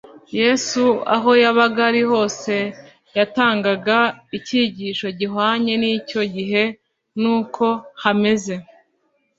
Yesu aho yabaga ari hose yatangaga icyigisho gihwanye n'icyo gihe n'uko hameze.